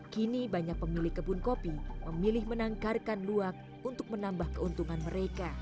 kini banyak pemilik kebun kopi memilih menangkarkan luwak untuk menambah keuntungan mereka